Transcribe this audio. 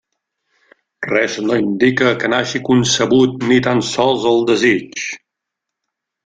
Res no indica que n'hagi concebut ni tan sols el desig.